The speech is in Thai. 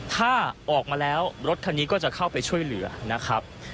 ถ้าออกมาแล้วรถคันนี้ก็จะเข้าไปช่วยเหลือนะครับ